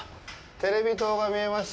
テレビ塔が見えました。